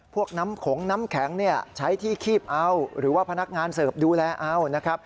พวกของน้ำแข็งใช้ที่คีบเอาหรือว่าพนักงานเสิร์ฟดูแลเอา